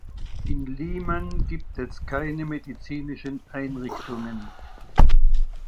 In Lyman gibt es keine medizinischen Einrichtungen.